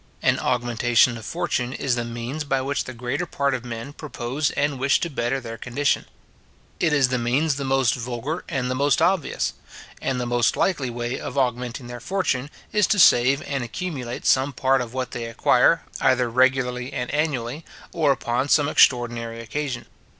An augmentation of fortune is the means by which the greater part of men propose and wish to better their condition. It is the means the most vulgar and the most obvious; and the most likely way of augmenting their fortune, is to save and accumulate some part of what they acquire, either regularly and annually, or upon some extraordinary occasion.